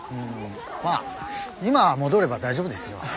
まあ今戻れば大丈夫ですよ。